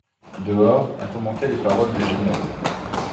Dehors, on commentait les paroles des généraux.